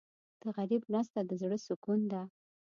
د غریب مرسته د زړه سکون ده.